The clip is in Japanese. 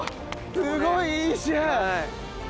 すごいいい試合！